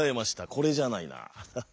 これじゃないな。